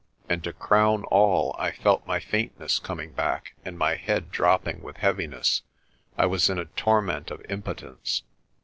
And to crown all I felt my faintness coming back, and my head dropping with heaviness. I was in a torment of impotence.